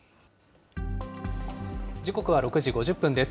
時刻は６時５０分です。